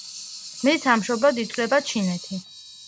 მის სამშობლოდ ითვლება ჩინეთი.